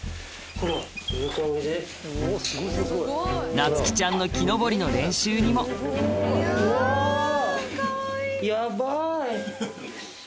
なつきちゃんの木登りの練習にもうわ！